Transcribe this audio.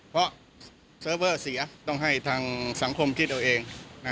เพราะเซิร์ฟเวอร์เสียต้องให้ทางสังคมคิดเอาเอง